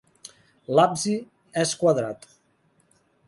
L'absis és quadrat.